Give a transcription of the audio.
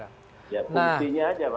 ya fungsinya aja mas